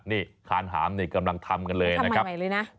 นี่คานหามนี่กำลังทำกันเลยนะครับใหม่เลยนะ